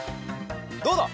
どうだ！？